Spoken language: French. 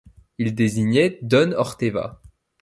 Il désignait don Orteva.